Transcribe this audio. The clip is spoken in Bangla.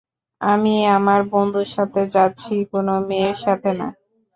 আমি আমার বন্ধুর সাথে যাচ্ছি, কোন মেয়ের সাথে না!